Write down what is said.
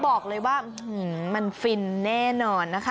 บอกเลยว่ามันฟินแน่นอนนะคะ